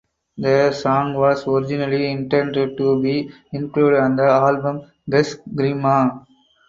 The song was originally intended to be included on the album "Bez grima".